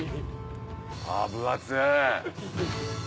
あ分厚い。